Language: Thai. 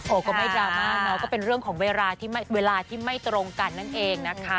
ก็ไม่ดราม่าเนาะก็เป็นเรื่องของเวลาที่เวลาที่ไม่ตรงกันนั่นเองนะคะ